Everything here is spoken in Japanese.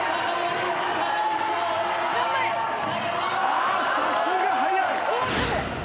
あーさすが速い！